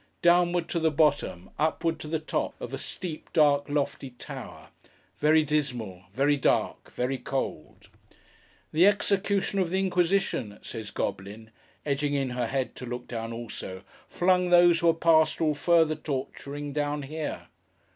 Downward to the bottom, upward to the top, of a steep, dark, lofty tower: very dismal, very dark, very cold. The Executioner of the Inquisition, says Goblin, edging in her head to look down also, flung those who were past all further torturing, down here.